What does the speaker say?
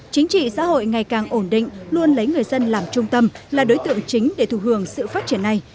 chính trị xã hội ngày càng ổn định luôn lấy người dân làm trung tâm là đối tượng chính để thù hưởng sự phát triển này